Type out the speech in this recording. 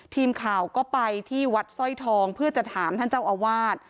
ทีมข่าวก็ไปที่วัดสร้อยทองเพื่อจะถามท่านเจ้าอาวาส